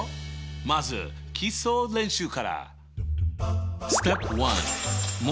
まず基礎練習から！